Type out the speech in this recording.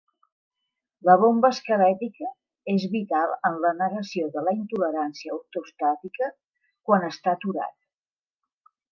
La bomba esquelètica és vital en la negació de la intolerància ortostàtica quan està aturat.